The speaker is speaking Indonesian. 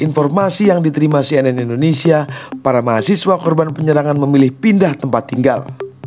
informasi yang diterima cnn indonesia para mahasiswa korban penyerangan memilih pindah tempat tinggal